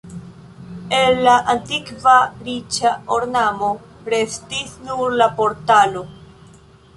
El la antikva riĉa ornamo restis nur la portalo.